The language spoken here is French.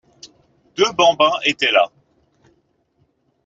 Deux bambins étaient là.